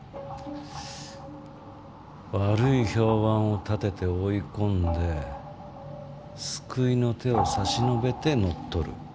悪い評判を立てて追い込んで救いの手を差し伸べて乗っ取る。